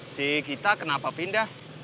si kita kenapa pindah